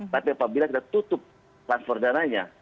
tapi apabila kita tutup transfer dananya